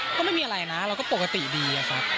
ก็ไม่มีอะไรนะเราก็ปกติดีอะครับ